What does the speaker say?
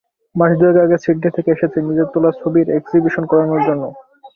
মাস দুয়েক আগে সিডনি থেকে এসেছে নিজের তোলা ছবির এক্সিবিশন করার জন্য।